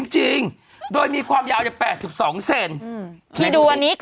จริงโดยมีความยาวจน๘๒เซน